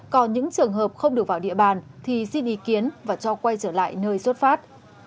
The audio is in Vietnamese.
còn những trường hợp không được vào địa bàn thì xin ý kiến và cho quay trở lại nơi xuất phát